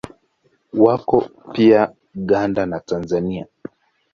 Wako pia Uganda na Tanzania.